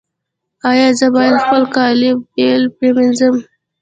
ایا زه باید خپل کالي بیل پریمنځم؟